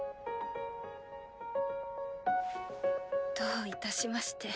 どういたしまして。